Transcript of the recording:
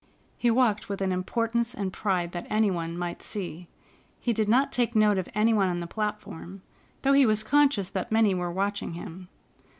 He walked with an importance and pride that any one might see. He did not take note of any one on the platform, though he was conscious that many were watching him.